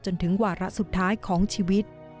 จนถึงวาระสุดท้ายของชีวิต